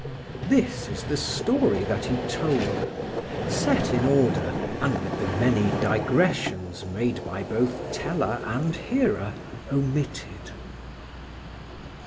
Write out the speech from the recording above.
This is the story that he told, set in order, and with the many digressions made by both teller and hearer omitted.